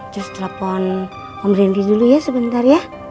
cus telepon om rendy dulu ya sebentar ya